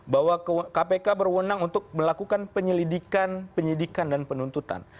bahwa kpk berwenang untuk melakukan penyelidikan penyidikan dan penuntutan